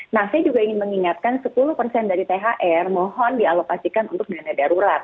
nah saya juga ingin mengingatkan sepuluh persen dari thr mohon dialokasikan untuk dana darurat